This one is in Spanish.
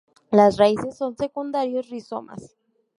Las raíces son secundarios rizomas.